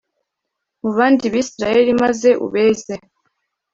mu bandi bisirayeli maze ubeze